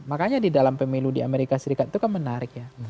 makanya di dalam pemilu di amerika serikat itu kan menarik ya